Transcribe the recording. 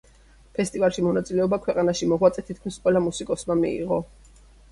ფესტივალში მონაწილეობა ქვეყანაში მოღვაწე თითქმის ყველა მუსიკოსმა მიიღო.